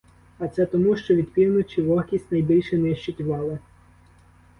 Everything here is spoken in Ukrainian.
А це тому, що від півночі вогкість найбільше нищить вали.